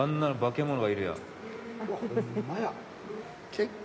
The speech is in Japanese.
結構。